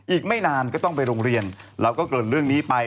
อีกไม่นานก็ต้องไปโรงเรียนแล้วก็เกิดเรื่องนี้ไป